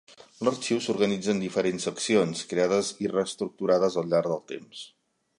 L'Arxiu s'organitza en diferents seccions, creades i reestructurades al llarg del temps.